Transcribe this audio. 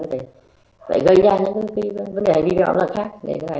phải gây ra những vấn đề nguy hiểm rất là khác